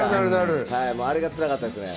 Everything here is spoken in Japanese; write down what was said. あれがつらかったです。